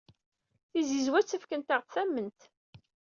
Tizizwa ttakfent-aɣ-d tamemt.